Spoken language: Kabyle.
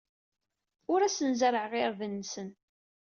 Ur asent-zerrɛeɣ irden-nsent.